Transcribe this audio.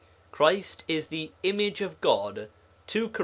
Christ is the 'image of God' (2 Cor.